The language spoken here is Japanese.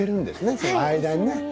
その間にね。